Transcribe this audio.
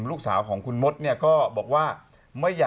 ลูกสาวของคุณมศเนี่ยบอกว่า